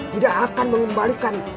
tidak akan mengembalikan